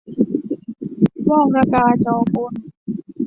วอก ระกา จอ กุน